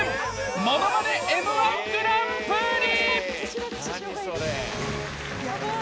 ものまね「Ｍ−１グランプリ」！